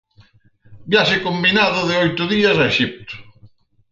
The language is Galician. Viaxe combinado de oito días a Exipto.